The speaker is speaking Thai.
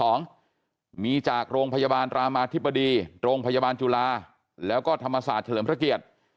มีจากโรงพยาบาลรามาธิบดีโรงพยาบาลจุฬาแล้วก็ธรรมศาสตร์เฉลิมพระเกียรติ